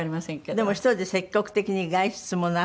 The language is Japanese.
でも１人で積極的に外出もなさる？